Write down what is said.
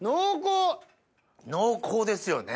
濃厚ですよね。